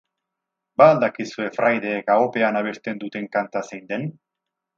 Ba al dakizue fraideek ahopean abesten duten kanta zein den?